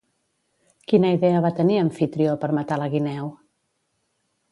Quina idea va tenir Amfitrió per matar la guineu?